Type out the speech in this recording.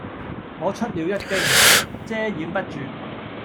我出了一驚，遮掩不住；